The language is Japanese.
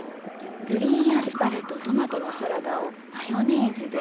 グリーンアスパラとトマトのサラダをマヨネーズで。